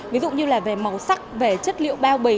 ví dụ như là về màu sắc về chất liệu bao bì